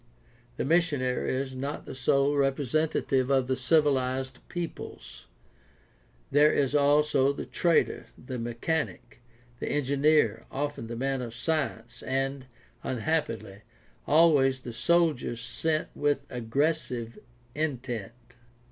The missionary is not the sole representative of the civilized peoples. There is also the trader, the mechanic, the engineer, often the man of science, and, unhappily, always the soldier sent with aggressive intent.